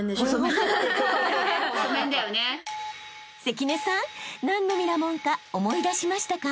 ［関根さん何のミラモンか思い出しましたか？］